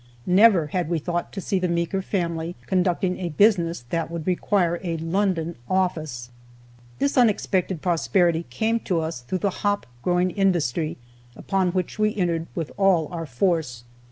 Never had we thought to see the Meeker family conducting a business that would require a London office. This unexpected prosperity came to us through the hop growing industry, upon which we entered with all our force.